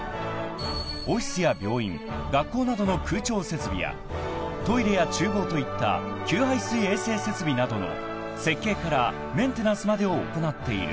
［オフィスや病院学校などの空調設備やトイレや厨房といった給排水衛生設備などの設計からメンテナンスまでを行っている］